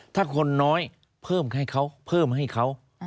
ถ้าคนน้อยเพิ่มให้เขาเพิ่มให้เขา